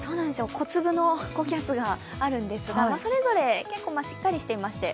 小粒の高気圧があるんですが、それぞれしっかりしていまして